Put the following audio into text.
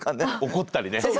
怒ったりね。